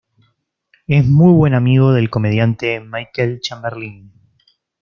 Es muy buen amigo del comediante Michael Chamberlin.